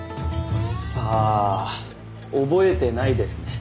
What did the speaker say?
さあ覚えてないですね。